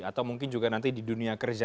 atau mungkin juga nanti di dunia kerja